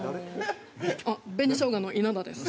あっ紅しょうがの稲田です。